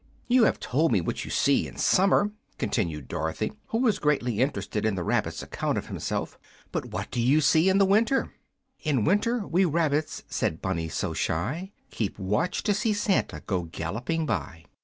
"You have told me what you see in summer," continued Dorothy, who was greatly interested in the rabbit's account of himself, "but what do you see in the winter?" "In winter we rabbits," said Bunny so shy, "Keep watch to see Santa go galloping by."